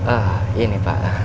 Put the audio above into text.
ah ini pak